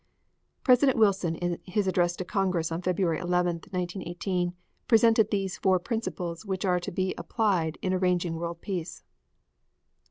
President Wilson in his address to Congress on February 11, 1918, presented these four principles which are to be applied in arranging world peace: 1.